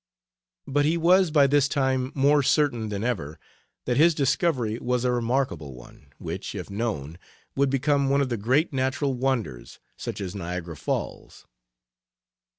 But he was by this time more certain than ever that his discovery was a remarkable one, which, if known, would become one of the great natural wonders, such as Niagara Falls.